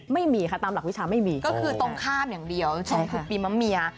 ไม่มีค่ะตามหลักวิชาไม่มีก็คือตรงข้ามอย่างเดียว๒คือปีมะเมีย